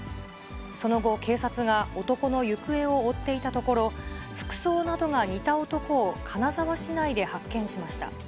その後、警察が男の行方を追っていたところ、服装などが似た男を、金沢市内で発見しました。